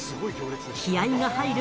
気合いが入る